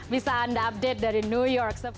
bisa anda update dari new york